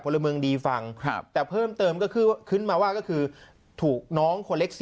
พลเมืองดีฟังแต่เพิ่มเติมก็คือขึ้นมาว่าก็คือถูกน้องคนเล็ก๔